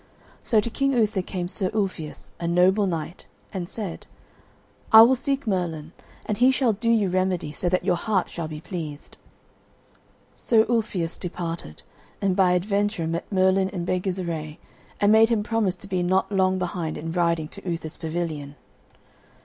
So to King Uther came Sir Ulfius, a noble knight, and said, "I will seek Merlin, and he shall do you remedy so that your heart shall be pleased." So Ulfius departed, and by adventure met Merlin in beggar's array, and made him promise to be not long behind in riding to Uther's pavilion.